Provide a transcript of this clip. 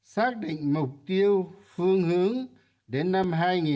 xác định mục tiêu phương hướng đến năm hai nghìn ba mươi